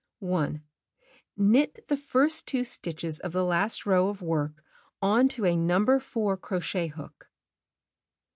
1. Knit the first 2 stitches of the last row of work on to a No. 4 crochet hook.